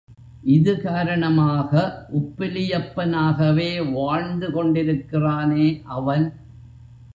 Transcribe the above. இது காரணமாக உப்பிலியப்பனாகவே வாழ்ந்து கொண்டிருக்கிறானே அவன்.